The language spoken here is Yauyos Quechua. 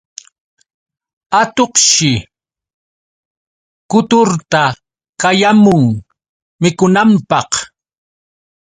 Atuqshi kuturta qayamun mikunanpaq.